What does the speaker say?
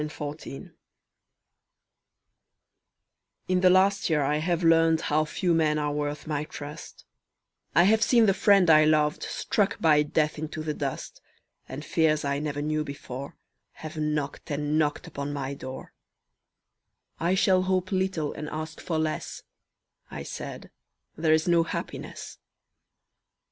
Red Maples In the last year I have learned How few men are worth my trust; I have seen the friend I loved Struck by death into the dust, And fears I never knew before Have knocked and knocked upon my door "I shall hope little and ask for less," I said, "There is no happiness."